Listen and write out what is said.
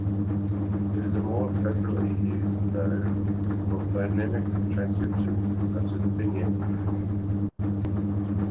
It is more appropriately used, though, for phonemic transcriptions such as pinyin.